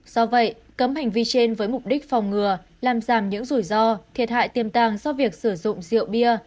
do vậy cấm hành vi trên với mục đích phòng ngừa làm giảm những rủi ro thiệt hại tiềm tàng do việc sử dụng rượu bia